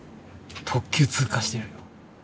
特急通過してる。